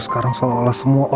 saya gerek sama maksut